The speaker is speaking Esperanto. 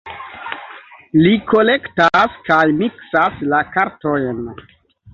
Li kolektas kaj miksas la kartojn.